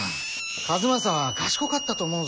数正は賢かったと思うぞ。